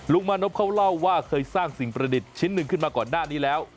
มานพเขาเล่าว่าเคยสร้างสิ่งประดิษฐ์ชิ้นหนึ่งขึ้นมาก่อนหน้านี้แล้ว